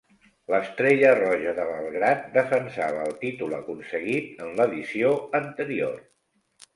L'Estrella Roja de Belgrad defensava el títol aconseguit en l'edició anterior.